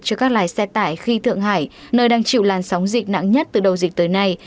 cho các lái xe tải khi thượng hải nơi đang chịu làn sóng dịch nặng nhất từ đầu dịch tới nay